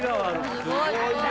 すごいわ。